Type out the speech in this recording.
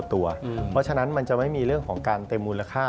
เพราะฉะนั้นมันจะไม่มีเรื่องของการเต็มมูลค่า